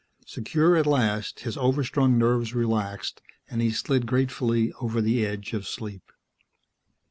Secure at last, his overstrung nerves relaxed and he slid gratefully over the edge of sleep.